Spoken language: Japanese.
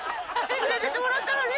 連れてってもらったのに。